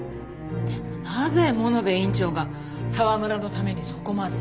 でもなぜ物部院長が沢村のためにそこまで？